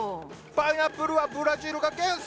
パイナップルはブラジルが原産。